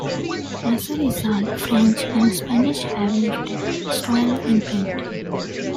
As a result, French, and Spanish have left a strong imprint.